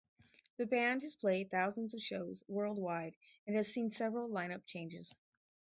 The band has played thousands of shows worldwide and has seen several lineup changes.